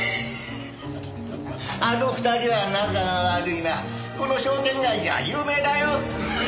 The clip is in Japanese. あの２人が仲が悪いのはこの商店街じゃ有名だよ。